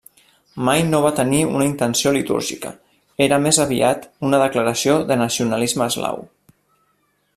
Mai no va tenir una intenció litúrgica; era més aviat una declaració de nacionalisme eslau.